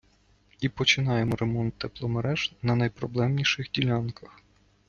І починаємо ремонт тепломереж на найпроблемніших ділянках.